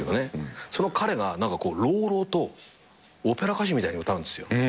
その彼が朗々とオペラ歌手みたいに歌うんですよ。